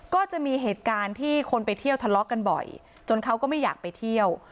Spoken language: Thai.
ก็จะมีเหตุการณ์ที่คนไปเที่ยวทะเลาะกันบ่อยจนเขาก็ไม่อยากไปเที่ยว